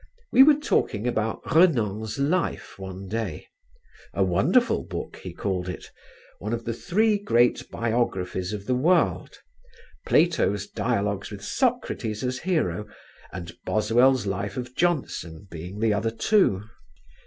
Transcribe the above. We were talking about Renan's "Life" one day: a wonderful book he called it, one of the three great biographies of the world, Plato's dialogues with Socrates as hero and Boswell's "Life of Johnson" being the other two.